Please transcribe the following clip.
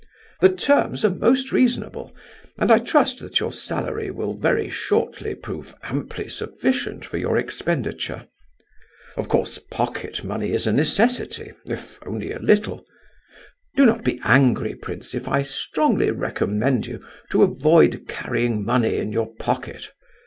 The terms are most reasonable, and I trust that your salary will very shortly prove amply sufficient for your expenditure. Of course pocket money is a necessity, if only a little; do not be angry, prince, if I strongly recommend you to avoid carrying money in your pocket.